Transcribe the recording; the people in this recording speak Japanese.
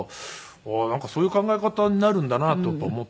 なんかそういう考え方になるんだなとやっぱり思ってね。